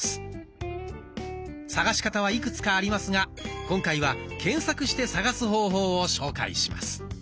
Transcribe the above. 探し方はいくつかありますが今回は検索して探す方法を紹介します。